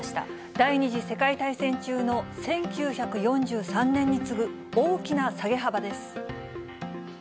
第２次世界大戦中の１９４３年に次ぐ大きな下げ幅です。